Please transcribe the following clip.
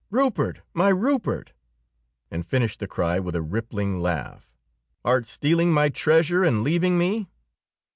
"Rupert, my Rupert!" and finished the cry with a rippling laugh. "Art stealing my treasure and leaving me?"